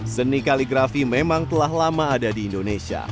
seni kaligrafi memang telah lama ada di indonesia